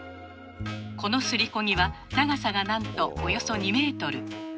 このすりこ木は長さがなんとおよそ２メートル。